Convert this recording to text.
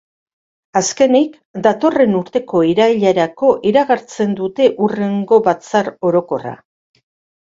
Azkenik, datorren urteko irailerako iragartzen dute hurrengo batzar orokorra.